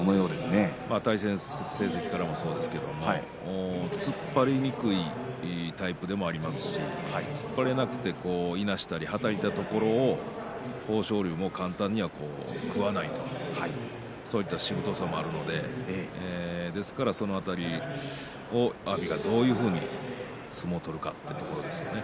対戦成績からもそうですけれども突っ張りにくいタイプでもありますし突っ張れなくていなしたりはたいたりしたところを豊昇龍も簡単には食わないとそういったしぶとさもあるのでですからその辺り阿炎がどういうふうに相撲を取る